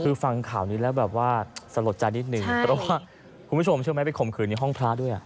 คือฟังข่าวนี้แล้วแบบว่าสลดใจนิดนึงเพราะว่าคุณผู้ชมเชื่อไหมไปข่มขืนในห้องพระด้วย